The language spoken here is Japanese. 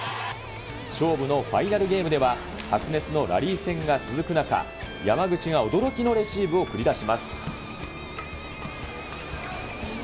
勝負のファイナルゲームでは、白熱のラリー戦が続く中、山口が驚きのレシーブを繰り出します。